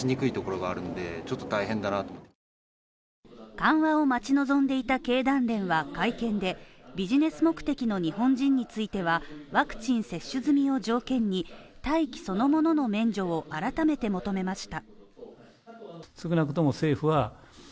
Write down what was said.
緩和を待ち望んでいた経団連は会見で、ビジネス目的の日本人については、ワクチン接種済みを条件に、待機そのものの免除を改めて求めました。